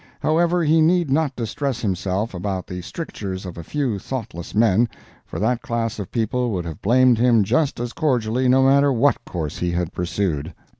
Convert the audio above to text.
However, he need not distress himself about the strictures of a few thoughtless men, for that class of people would have blamed him just as cordially no matter what course he had pursued.